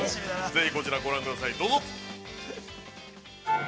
◆ぜひこちら、ご覧ください、どうぞ。